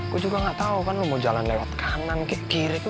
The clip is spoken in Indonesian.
gue juga gak tau kan lo mau jalan lewat kanan ke kiri tuh